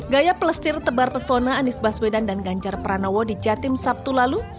gaya pelestir tebar pesona anies baswedan dan ganjar pranowo di jatim sabtu lalu